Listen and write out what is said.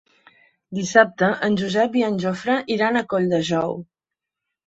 Dissabte en Josep i en Jofre iran a Colldejou.